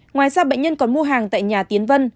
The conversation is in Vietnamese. ngoài ra bệnh nhân còn mua hàng tại nhà tiến vân